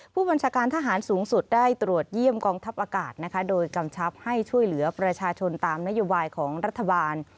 ผู้บัญชาการทหารสูงสุดได้ตรวจเยี่ยมกองทัพอากาศนะคะโดยกำชับให้ช่วยเหลือประชาชนตามนโยบายของรัฐบาล